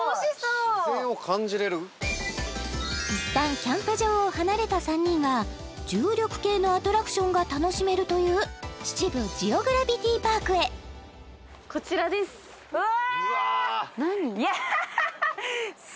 一旦キャンプ場を離れた３人は重力系のアトラクションが楽しめるという秩父ジオグラビティパークへうわうわ